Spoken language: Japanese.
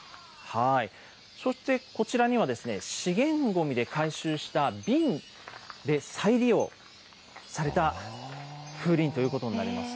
そして、こちらには資源ごみで回収した瓶で再利用された風鈴ということになります。